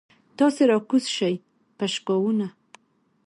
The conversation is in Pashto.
تاسې راکوز شئ پشکاوونه.